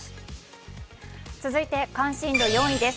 続いて関心度４位です。